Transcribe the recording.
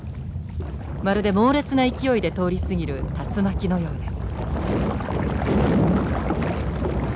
まるで猛烈な勢いで通り過ぎる竜巻のようです。